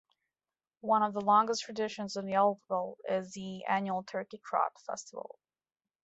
One of the longest traditions in Yellville is the annual Turkey Trot festival.